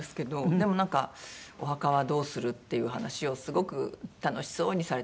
でもなんかお墓はどうするっていう話をすごく楽しそうにされてました。